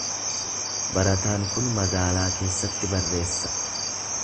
Barataan kun magaalaa keessatti barreessa.